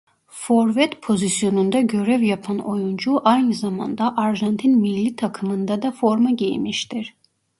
Forvet pozisyonunda görev yapan oyuncu aynı zamanda Arjantin millî takımında da forma giymiştir.